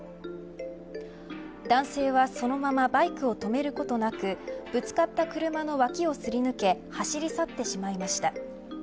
男性はそのままバイクを止めることなくぶつかった車の脇をすり抜け走り去ってしまいました。